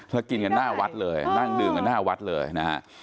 แล้วกินกันหน้าวัดเลยนั่งดื่มกันหน้าวัดเลยนะฮะ